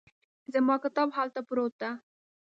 زما کتاب هلته پروت ده